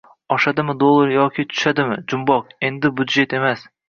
Oshadimi dollar yoki tushadimi jumboq, Endi byudjet emas